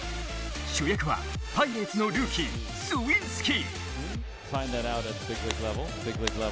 主役は、パイレーツのルーキースウィンスキー。